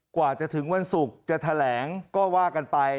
กว่าจะถึงวันศุกร์จะแถลงก็ว่ากันไป